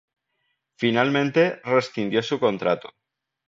Finalmente, rescindió su contrato.